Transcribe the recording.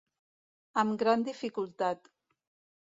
Amb gran dificultat.